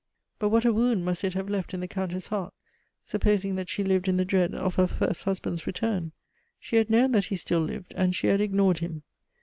But what a wound must it have left in the Countess' heart, supposing that she lived in the dread of her first husband's return? She had known that he still lived, and she had ignored him.